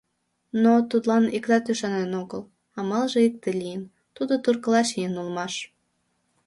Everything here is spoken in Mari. Но тудлан иктат ӱшанен огыл, амалже икте лийын — тудо туркыла чиен улмаш.